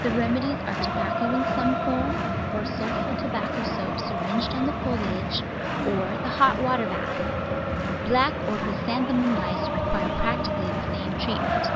The rem edies are tobacco in some form, or sulpho tobacco soap syringed on the foliage, or the hot water bath. Black or Chrysanthemum Lice require practically the same treatment.